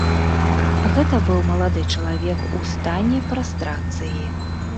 Гэта быў малады чалавек у стане прастрацыі.